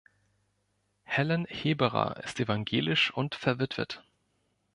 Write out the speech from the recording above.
Helen Heberer ist evangelisch und verwitwet.